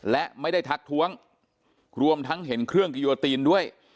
และไม่ได้ทักท้วงรวมทั้งเห็นเครื่องกิโยตีนด้วย